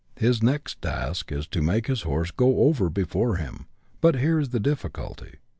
His next task is to make his horse go over before him; but here is the difficulty.